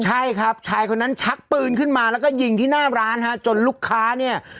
ใช่ครับชายคนนั้นชักปืนขึ้นมาแล้วก็ยิงที่หน้าร้านฮะจนลูกค้าเนี่ย